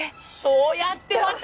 そうやってまた！